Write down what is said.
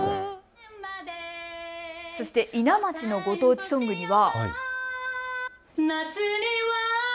そして伊奈町のご当地ソングには。